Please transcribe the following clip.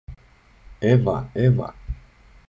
Εύα! Εύα!